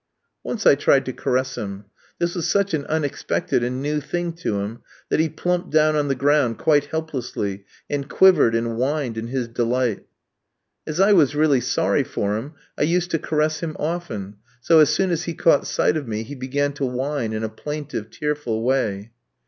Once I tried to caress him. This was such an unexpected and new thing to him that he plumped down on the ground quite helplessly, and quivered and whined in his delight. As I was really sorry for him I used to caress him often, so as soon as he caught sight of me he began to whine in a plaintive, tearful way.